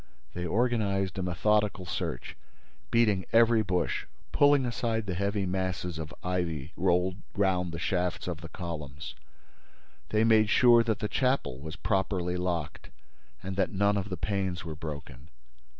They organized a methodical search, beating every bush, pulling aside the heavy masses of ivy rolled round the shafts of the columns. They made sure that the chapel was properly locked and that none of the panes were broken.